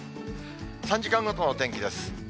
３時間ごとの天気です。